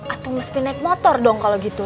atau mesti naik motor dong kalau gitu